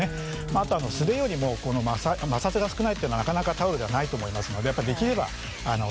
あとはあの素手よりもこの摩擦が少ないっていうのはなかなかタオルではないと思いますのでできれば手をおすすめしてますよね。